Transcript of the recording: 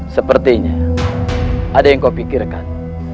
sepertinya ada yang kau pikirkan